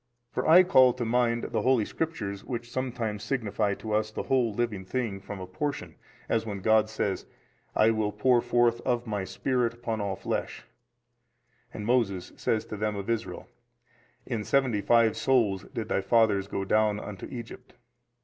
For I call to mind |265 the holy Scriptures which sometimes signify to us the whole living thing from a portion, as when God says 19, I will pour forth of My Spirit upon all flesh, and Moses says to them of Israel, In seventy five souls did thy fathers go down into Egypt.